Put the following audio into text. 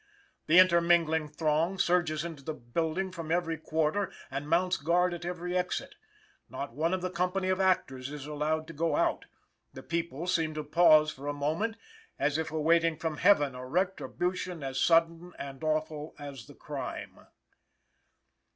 The intermingling throng surges into the building from every quarter, and mounts guard at every exit. Not one of the company of actors is allowed to go out. The people seem to pause for a moment, as if awaiting from Heaven a retribution as sudden and awful as the crime.